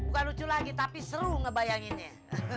bukan lucu lagi tapi seru ngebayanginnya